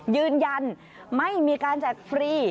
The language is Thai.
ยืนยันไม่มีการแจกฟรี